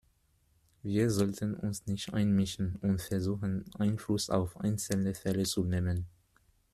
Wir sollten uns nicht einmischen und versuchen, Einfluss auf einzelne Fälle zu nehmen.